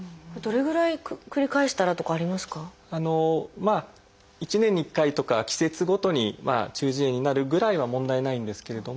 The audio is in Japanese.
まあ１年に１回とか季節ごとに中耳炎になるぐらいは問題ないんですけれども。